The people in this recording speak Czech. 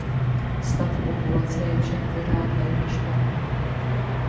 Stav populace je však pořád velmi špatný.